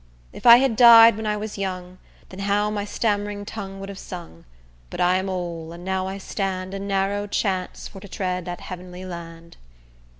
If I had died when I was young, Den how my stam'ring tongue would have sung; But I am ole, and now I stand A narrow chance for to tread dat heavenly land.